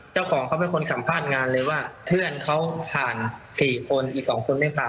เจ้าของเขาเป็นคนสัมภาษณ์งานเลยว่าเพื่อนเขาผ่าน๔คนอีก๒คนไม่ผ่าน